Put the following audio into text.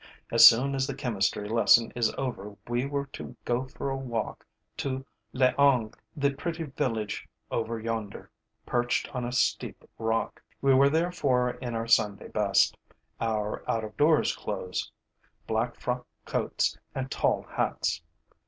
As soon as the chemistry lesson is over, we were to go for a walk to Les Angles, the pretty village over yonder, perched on a steep rock. We were therefore in our Sunday best, our out of doors clothes: black frock coats and tall hats.